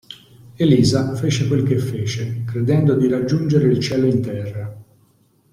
Elisa fece quel che fece, credendo di raggiungere il cielo in terra.